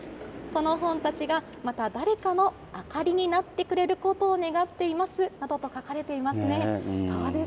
この本たちが、また誰かの灯になってくれることを願っていますなどと書かれていますね。